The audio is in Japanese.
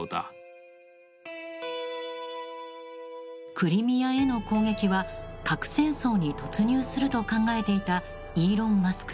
クリミアへの攻撃は核戦争に突入すると考えていたイーロン・マスク